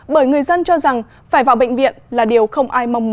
bởi người dân cho rằng phải vào bệnh viện là điều không ai mong muốn